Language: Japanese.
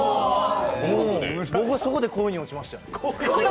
僕、そこで恋に落ちましたよ。